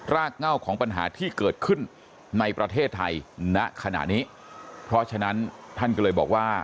รากเง่าของปัญหาที่เกิดขึ้นในประเทศไทยณขณะนี้เพราะฉะนั้นท่านก็เลยบอกว่า